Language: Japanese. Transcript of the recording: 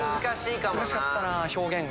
難しかったな表現が。